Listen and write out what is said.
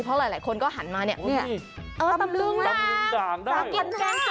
เพราะหลายคนก็หันมาเนี่ย